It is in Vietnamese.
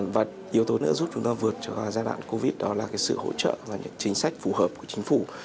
và yếu tố nữa giúp chúng ta vượt cho giai đoạn covid đó là sự hỗ trợ và những chính sách phù hợp của chính phủ